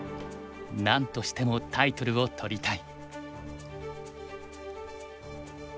なんとしてもタイトルを取りたい。